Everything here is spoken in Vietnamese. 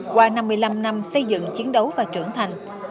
qua năm mươi năm năm xây dựng chiến đấu và trưởng thành